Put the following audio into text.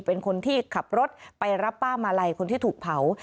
เป็นคนที่ขับรถไปรับป้ามาลัยคนที่ถูกเผา